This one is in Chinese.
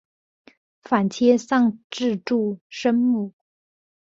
反切上字注声母。